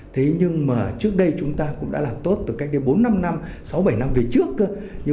thế nhưng mà trước đây chúng ta cũng đã làm tốt từ cách đây bốn năm năm sáu bảy năm về trước